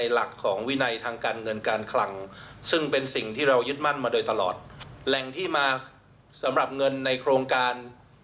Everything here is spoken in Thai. แหล่งที่มาสำหรับเงินในโครงการ